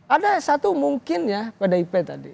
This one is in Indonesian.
ada satu mungkin ya pdip tadi